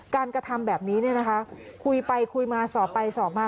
กระทำแบบนี้เนี่ยนะคะคุยไปคุยมาสอบไปสอบมา